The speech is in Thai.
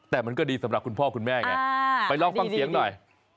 แต่มันก็ดีสำหรับคุณพ่อคุณแม่ไงไปลองฟังเสียงหน่อย